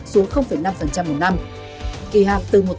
một mươi năm xuống năm phần trăm một mươi năm kỳ hạn từ một